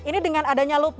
ini dengan adanya lupa